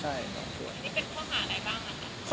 อันนี้เป็นข้อหาอะไรบ้างคะ